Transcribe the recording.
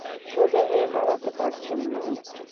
সোজা হয়ে দাঁড়াতে পারছেন না।